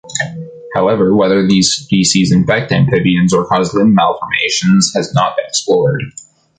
However, whether these species infect amphibians or cause limb malformations has not been explored.